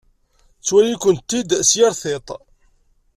Ttwalin-kent-id s yir tiṭ.